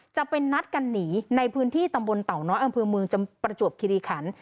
จะเป็นนัดกันหนีในพื้นที่ตำบลเต่าน้อยอำเภอเมืองประจวบคิริขัน